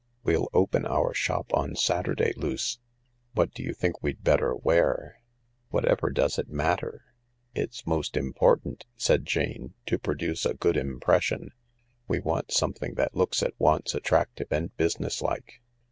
We'll open our shop on Saturday, Luce. What do you think we'd better wear ?"" Whatever does it matter ?" "It's most important," said Jane, "to produce a good impression. We want something that looks at once attrac tive and businesslike.